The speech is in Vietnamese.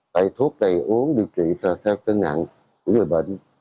tại thuốc này uống điều trị theo cân ngặn của người bệnh